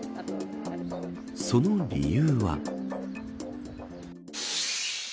その理由は。